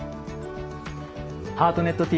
「ハートネットＴＶ」